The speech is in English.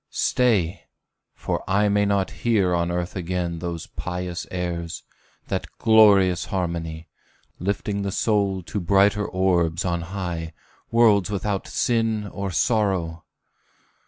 Stay, for I may not hear on earth again Those pious airs that glorious harmony; Lifting the soul to brighter orbs on high, Worlds without sin or sorrow!